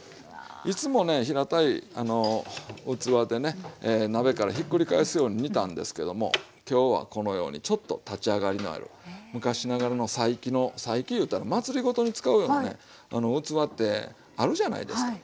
いつもね平たい器でね鍋からひっくり返すように煮たんですけども今日はこのようにちょっと立ち上がりのある昔ながらの祭器の祭器いうたら祭事に使うようなねあの器ってあるじゃないですか。